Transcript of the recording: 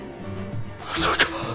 まさかッ！